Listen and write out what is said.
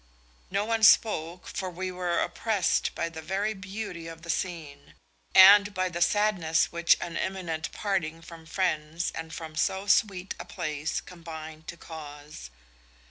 No one spoke, for we were oppressed by the very beauty of the scene, and by the sadness which an imminent parting from friends and from so sweet a place combined to cause.